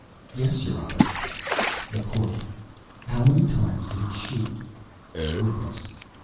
"Yes, your Honor." THE COURT. "How many times did he shoot?" WITNESS.